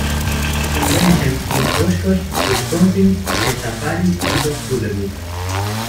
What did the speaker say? Convention in Oshkosh, Wisconsin, el Safari hizo su debut.